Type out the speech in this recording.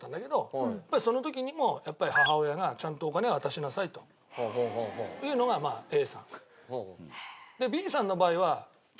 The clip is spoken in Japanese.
その時にもやっぱり母親がちゃんとお金は渡しなさいというのがまあＡさん。